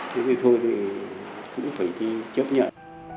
thế thì thôi thì cũng phải chấp nhận